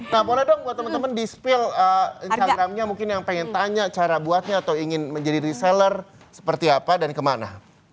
nah boleh dong buat temen temen di spill instagramnya mungkin yang pengen tanya cara buatnya atau ingin menjadi reseller seperti apa dan kemana